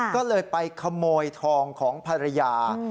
ก็เลยไปขโมยทองของภรรยา